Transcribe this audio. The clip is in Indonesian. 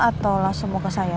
atau langsung mau ke saya